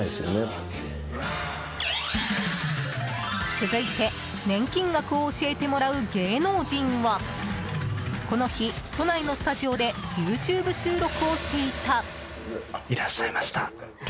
続いて年金額を教えてもらう芸能人はこの日、都内のスタジオでＹｏｕＴｕｂｅ収録をしていた。